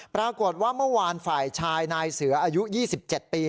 ปรากฏว่าเมื่อวานฝ่ายชายนายเสืออายุ๒๗ปี